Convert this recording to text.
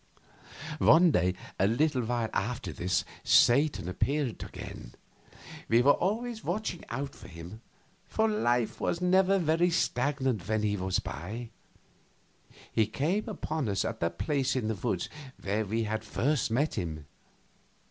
One day, a little while after this, Satan appeared again. We were always watching out for him, for life was never very stagnant when he was by. He came upon us at that place in the woods where we had first met him.